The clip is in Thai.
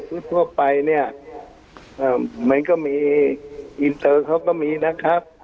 คือทั่วไปเนี่ยมันก็มีอินเตอร์เขาก็มีนะครับ